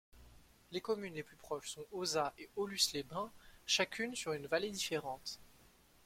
Les communes les plus proches sont Auzat et Aulus-les-Bains, chacune sur une vallée différente.